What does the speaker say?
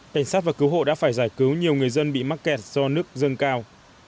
cảnh sát và cứu hộ đã phải giải cứu nhiều người dân bị mắc kẹt do nước dâng cao